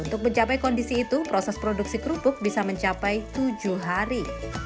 untuk mencapai kondisi itu proses produksi kerupuk bisa mencapai tujuh hari